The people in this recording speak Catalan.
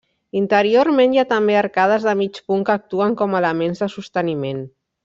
Interiorment hi ha també arcades de mig punt que actuen com a elements de sosteniment.